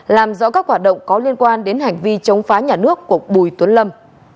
làm rõ các hoạt động có liên quan đến hành vi chống phá nhà nước của bùi tuấn lâm